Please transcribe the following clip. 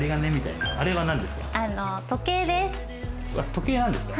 時計なんですか？